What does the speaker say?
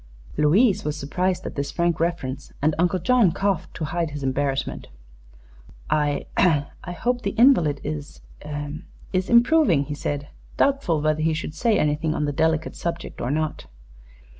Louise was surprised at this frank reference, and Uncle John coughed to hide his embarrassment. "I I hope the invalid is is improving," he said, doubtful whether he should say anything on the delicate subject or not.